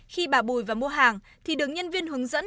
khi bà bùi vào mua hàng thì đứng nhân viên hướng dẫn